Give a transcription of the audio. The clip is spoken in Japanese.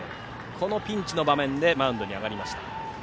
このピンチの場面でマウンドに上がりました。